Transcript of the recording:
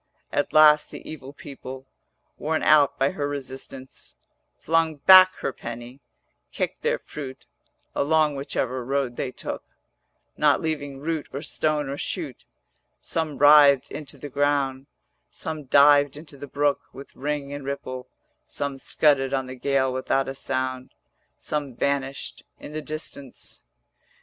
At last the evil people, Worn out by her resistance, Flung back her penny, kicked their fruit Along whichever road they took, 440 Not leaving root or stone or shoot; Some writhed into the ground, Some dived into the brook With ring and ripple, Some scudded on the gale without a sound, Some vanished in the distance.